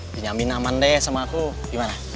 dinyamin aman deh sama aku gimana